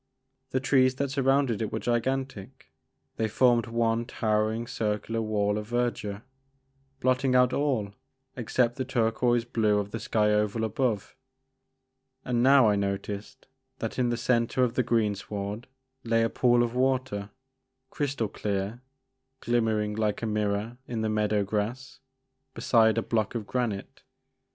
The trees that surrounded it were gigan tic ; they formed one towering circular wall of verdure, blotting out all except the turquoise blue of the sky oval above. And now I noticed that in the centre of the greensward lay a pool of water, crystal clear, glimmering like a mirror in the meadow grass, beside a block of granite.